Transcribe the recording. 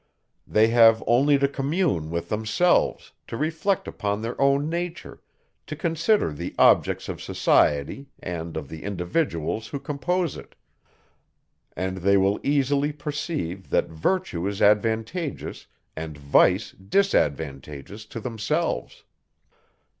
They have only to commune with themselves, to reflect upon their own nature, to consider the objects of society, and of the individuals, who compose it; and they will easily perceive, that virtue is advantageous, and vice disadvantageous to themselves.